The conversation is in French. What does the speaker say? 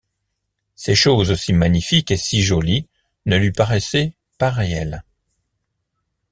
Ces choses si magnifiques et si jolies ne lui paraissaient pas réelles.